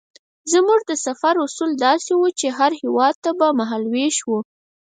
زموږ د سفر اصول داسې وو چې هر هېواد ته به مهال وېش وو.